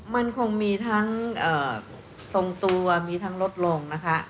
มันคงมีทั้งทรงตัวมีทั้งลดลงนะคะ